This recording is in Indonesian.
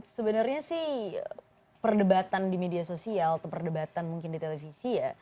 sebenarnya sih perdebatan di media sosial atau perdebatan mungkin di televisi ya